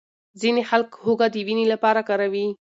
ځینې خلک هوږه د وینې لپاره کاروي.